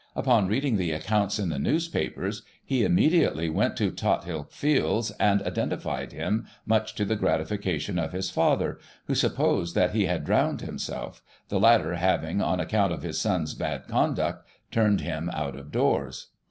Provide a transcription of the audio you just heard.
Upon read ing the accounts in the newspapers, he immediately went to Tothill Fields, and identified him, much to the gratification of his father, who supposed that he had drowned himself, the latter having, on account of hi3..spn's bad conduct, turned him out of doors.